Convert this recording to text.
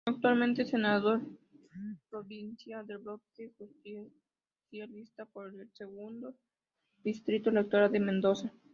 Actualmente es Senador Provincial del bloque Justicialista por el Segundo Distrito electoral de Mendoza.